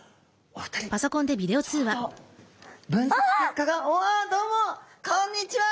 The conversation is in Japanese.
おおっどうもこんにちは。